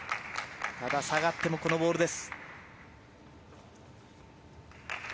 下がってもこのボールです。